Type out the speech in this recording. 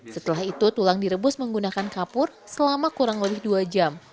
setelah itu tulang direbus menggunakan kapur selama kurang lebih dua jam